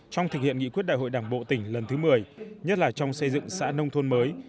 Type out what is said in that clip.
trong thực hiện nghị quyết đại hội đảng bộ tỉnh lần thứ một mươi nhất là trong xây dựng xã nông thôn mới